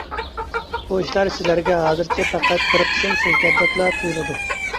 بۇ ئىشلار سىلەرگە ھازىرچە پەقەت بىر قىسىم سۆزلەردەكلا تۇيۇلىدۇ.